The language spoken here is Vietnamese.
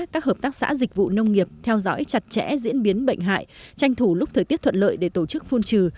các hợp tác xã dịch vụ nông nghiệp theo dõi chặt chẽ diễn biến bệnh hại tranh thủ lúc thời tiết thuận lợi để tổ chức phun trừ